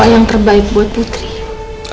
yang terbaik buat putri